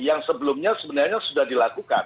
yang sebelumnya sebenarnya sudah dilakukan